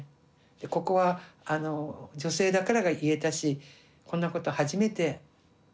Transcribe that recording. ここは女性だから言えたしこんなこと初めて。